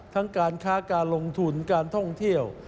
การค้าการลงทุนการท่องเที่ยว